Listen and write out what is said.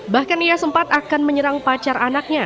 bahkan ia sempat akan menyerang pacar anaknya